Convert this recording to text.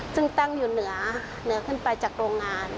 ซึ่งตั้งอยู่เหนือเหนือขึ้นไปจากโรงงาน